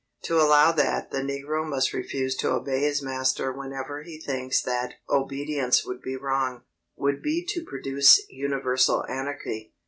To allow that the negro may refuse to obey his master whenever he thinks that obedience would be wrong, would be to produce universal anarchy.